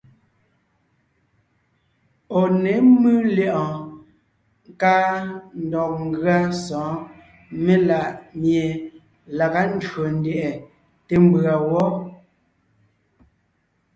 Ɔ̀ ně mʉ́ lyɛ̌ʼɔɔn káa ndɔg ngʉa sɔ̌ɔn melaʼmie laga ndÿò ndyɛʼɛ té mbʉ̀a wɔ́.